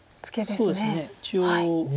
そうですね中央。